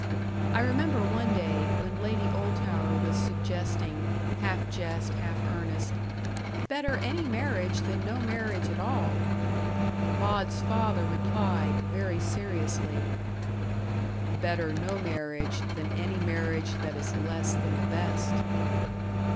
I remember one day, when Lady Oldtower was suggesting half jest, half earnest "better any marriage than no marriage at all;" Maud's father replied, very seriously "Better no marriage, than any marriage that is less than the best."